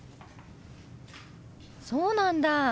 そうなんだ。